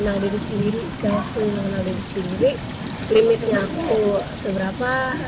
dan kita asli juga bisa belajar kalau aku mau menang dari sendiri limitnya aku seberapa